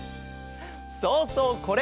そうそうこれ。